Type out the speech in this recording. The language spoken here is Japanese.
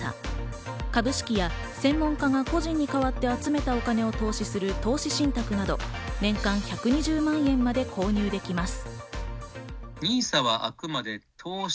株式や専門家が個人に代わって集めたお金を投資する投資信託など年間１２０万円まで購入できます。